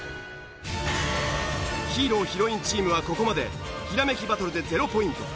ヒーローヒロインチームはここまでひらめきバトルで０ポイント。